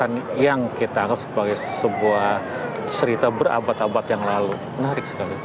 ini yang kita anggap sebagai sebuah cerita berabad abad yang lalu menarik sekali